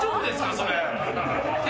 それ。